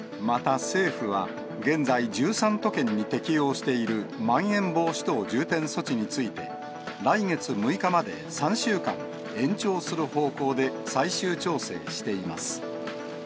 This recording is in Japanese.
また政府は、現在、１３都県に適用しているまん延防止等重点措置について、来月６日まで３週間延長する方向で最終調整しています。